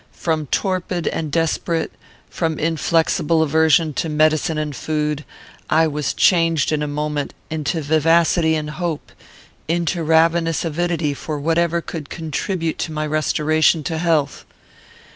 From torpid and desperate, from inflexible aversion to medicine and food, I was changed in a moment into vivacity and hope, into ravenous avidity for whatever could contribute to my restoration to health.